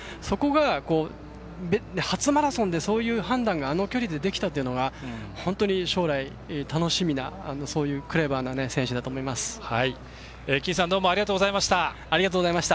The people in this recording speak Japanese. そこが、初マラソンでそういう判断があの距離でできたというのが本当に将来楽しみな金さんどうもありがとうございました。